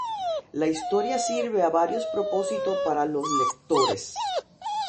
La historia sirve a varios propósitos para los lectores.